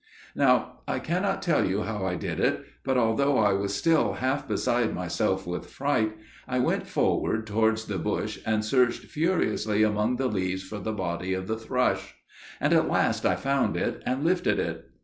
"Now, I cannot tell you how I did it; but although I was half beside myself with fright, I went forward towards the bush and searched furiously among the leaves for the body of the thrush; and at last I found it, and lifted it.